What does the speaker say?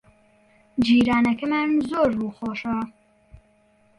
جیرانەکەمان زۆر ڕووخۆشە.